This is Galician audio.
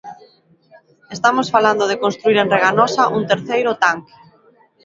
Estamos falando de construír en Reganosa un terceiro tanque.